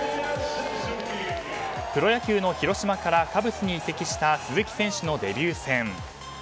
プロ野球の広島からカブスに移籍した鈴木選手のデビュー戦。